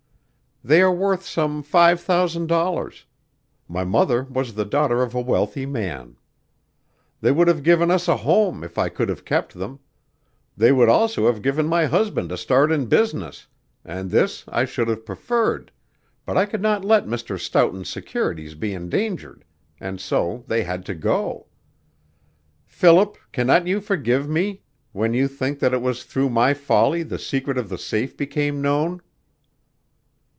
They are worth some five thousand dollars my mother was the daughter of a wealthy man. They would have given us a home if I could have kept them; they would also have given my husband a start in business, and this I should have preferred, but I could not let Mr. Stoughton's securities be endangered, and so they had to go. Philip, cannot you forgive me when you think that it was through my folly the secret of the safe became known?"